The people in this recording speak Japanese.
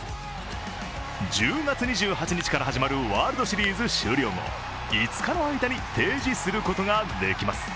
１０月２８日から始まるワールドシリーズ終了後５日の間に提示することができます。